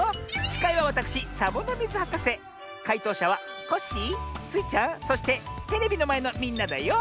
しかいはわたくしサボノミズはかせかいとうしゃはコッシースイちゃんそしてテレビのまえのみんなだよ。